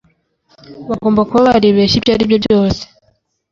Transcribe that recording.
Bagomba kuba baribeshye ibyaribyo byose